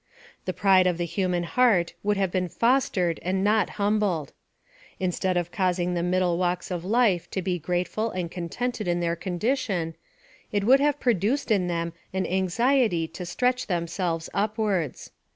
The pride of the human heart would have been fostered and not humbled. Instead of causing the middle walks of life to be grateful and contented in their condition, it would have produced in them an anxi ety to stretch themselves upwards.